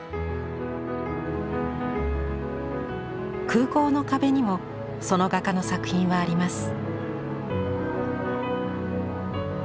空港の壁にもその画家の作品はあります。